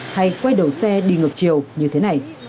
hay quay đầu xe đi ngược chiều như thế này